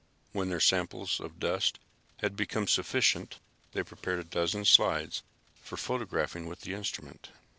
When their samples of dust had become sufficient they prepared a dozen slides for photographing with the instrument.